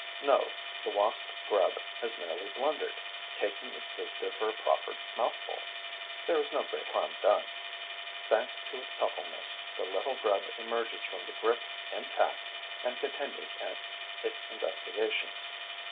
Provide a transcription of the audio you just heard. No, the wasp grub has merely blundered, taking its visitor for a proffered mouthful. There is no great harm done. Thanks to its suppleness, the little grub emerges from the grip intact and continues its investigations.